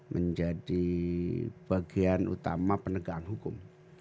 menjadi bagian utama penegakan hukum